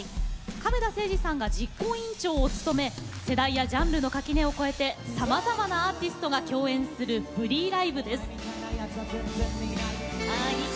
亀田誠治さんが実行委員長を務め世代やジャンルの垣根を超えてさまざまなアーティストが共演するフリーライブです。